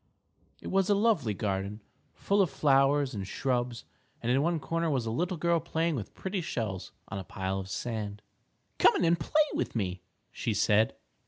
_ It was a lovely garden, full of flowers and shrubs, and in one corner was a little girl playing with pretty shells on a pile of sand. "Come in and play with me," she said.